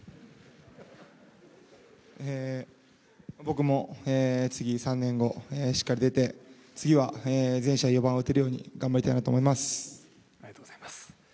僕も次、３年後しっかり出て次は全試合４番を打てるように頑張りたいなと思います。